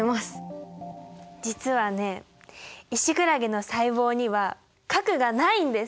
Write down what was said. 実はねイシクラゲの細胞には核がないんです。